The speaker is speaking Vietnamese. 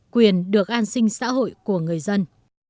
quyền được an sinh xã hội của người dân